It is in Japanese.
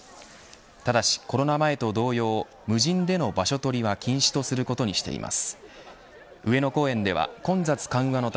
ただし、コロナ前と同様無人での場所取りは禁止とすることにしています。